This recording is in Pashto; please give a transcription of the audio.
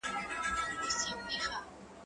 ته ولي کښېناستل کوې!.